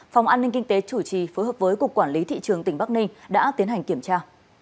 phòng an ninh kinh tế chủ trì phối hợp với cục quản lý thị trường tỉnh bắc ninh đã tiến hành kiểm tra